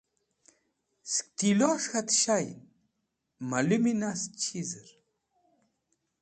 Sẽk tilos̃h k̃hatẽ shayẽn malũmi nast chizẽr?